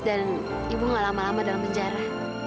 ibu gak lama lama dalam penjara